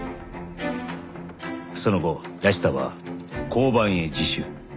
その後谷内田は交番へ自首。